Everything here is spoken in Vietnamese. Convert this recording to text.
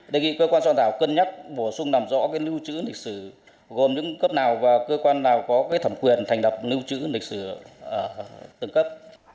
đề nghị cơ quan trọng đảo cân nhắc bổ sung nằm rõ lưu chữ lịch sử gồm những cấp nào và cơ quan nào có thẩm quyền thành đập lưu chữ lịch sử tương cấp